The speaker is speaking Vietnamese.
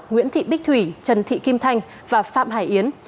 nguyễn thị bích thủy trần thị kim thanh và phạm hải yến